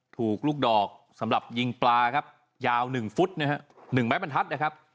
ถูกลูกดอกสำหรับยิงปลายาว๑พุตรครับ๑ใบบรรทัดนะครับ